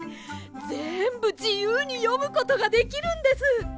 ぜんぶじゆうによむことができるんです。